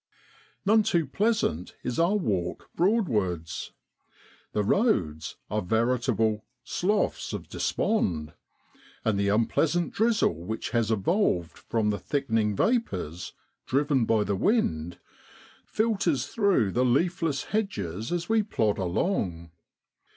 None too pleasant is our walk Broadwards; the roads are veritable 'sloughs of despond,' and the unpleasant drizzle which has evolved from the thickening vapours, driven by the wind, filters through the leafless hedges as we plod along.